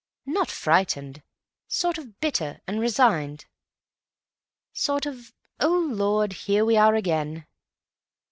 "Not frightened. Sort of bitter—and resigned. Sort of 'Oh, Lord, here we are again!